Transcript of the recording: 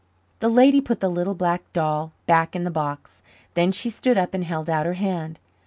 The lady put the little black doll back in the box. Then she stood up and held out her hand.